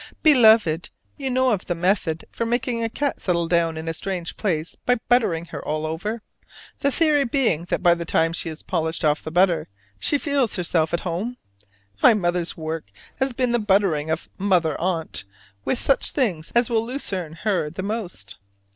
Beloved: You know of the method for making a cat settle down in a strange place by buttering her all over: the theory being that by the time she has polished off the butter she feels herself at home? My morning's work has been the buttering of the Mother Aunt with such things as will Lucerne her the most.